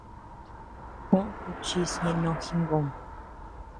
Juó kuchis ñeʼe no jingöm.